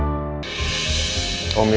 kawasan budi kesehatan kita